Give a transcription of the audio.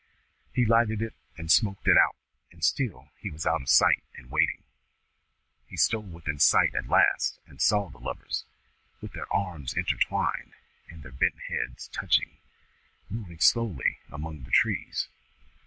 He lighted it, and smoked it out, and still he was out of sight and waiting. He stole within sight at last, and saw the lovers, with their arms entwined and their bent heads touching, moving slowly among the trees.